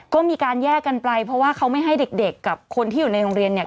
ก็มีการแยกกันไปเพราะว่าเขาไม่ให้เด็กกับคนที่อยู่ในโรงเรียนเนี่ย